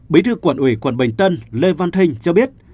bí thư quận ủy quận bình tân lê văn thinh cho biết